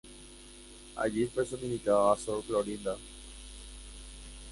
Allí personificaba a "Sor Clorinda".